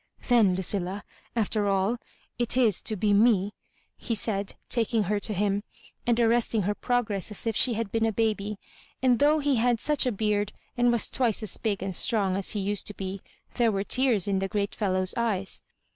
" Then, Lucilla^ after all, it is to be me," he said, taking her to him, and arresting her pro gress as if she had been a baby ; and though he had such a beard, and was twice as big and strong as he used to be, there were tears in the great fellow's eyes.